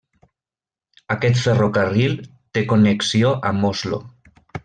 Aquest ferrocarril té connexió amb Oslo.